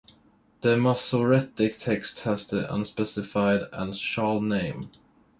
The Masoretic text has the unspecified "and shall name".